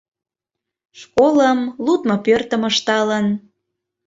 Школым, лудмо пӧртым ышталын